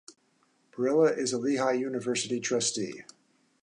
Perella is a Lehigh University trustee.